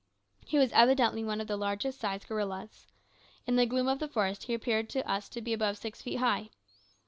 He was evidently one of the largest sized gorillas. In the gloom of the forest he appeared to us to be above six feet high.